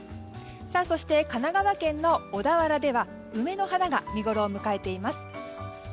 そして、神奈川県の小田原では梅の花が見ごろを迎えています。